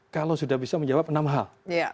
kalau sudah bisa menjawab enam hal